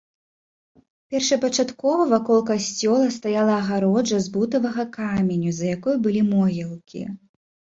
Першапачаткова вакол касцёла стаяла агароджа з бутавага каменю, за якой былі могілкі.